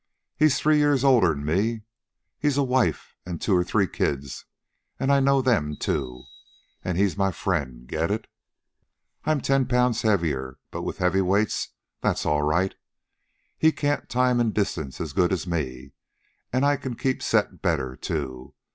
He's three years older'n me. He's a wife and two or three kids, an' I know them, too. And he's my friend. Get it? "I'm ten pounds heavier but with heavyweights that 's all right. He can't time an' distance as good as me, an' I can keep set better, too.